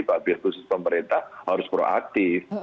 pak bias khusus pemerintah harus proaktif